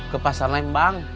ke pasar lembang